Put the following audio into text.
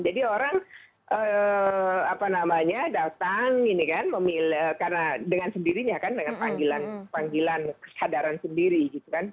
jadi orang apa namanya datang ini kan memilih karena dengan sendirinya kan dengan panggilan kesadaran sendiri gitu kan